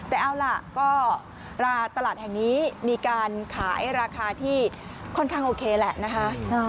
แต่เอาล่ะก็ตลาดแห่งนี้มีการขายราคาที่ค่อนข้างโอเคแหละนะคะ